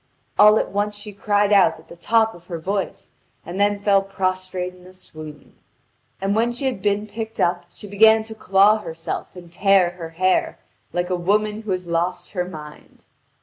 All at once she cried out at the top of her voice, and then fell prostrate in a swoon. And when she had been picked up she began to claw herself and tear her hair, like a woman who had lost her mind.